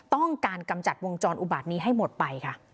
กำจัดวงจรอุบาตนี้ให้หมดไปค่ะ